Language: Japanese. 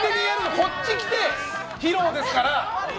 こっち来て披露ですから。